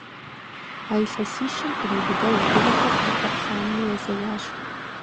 А илъэсищым къриубыдэу адыгэхэр тэтэр хъанми езэуащ.